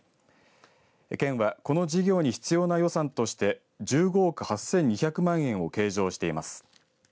県はこの事業に必要な予算として１５億８２００万円を計上しています。